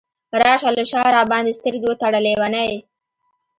راشه له شاه راباندې سترګې وتړه لیونۍ !